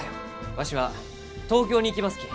わしは東京に行きますき。